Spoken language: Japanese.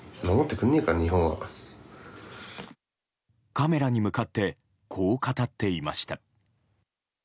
カメラに向かってこう語っていました。